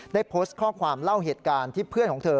ได้โพสต์ข้อความเล่าเหตุการณ์ที่เพื่อนของเธอ